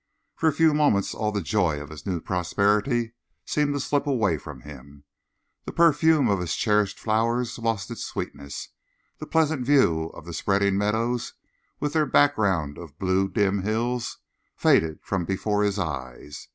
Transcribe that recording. For a few moments all the joy of his new prosperity seemed to slip away from him. The perfume of his cherished flowers lost its sweetness; the pleasant view of spreading meadows, with their background of dim blue hills, faded from before his eyes.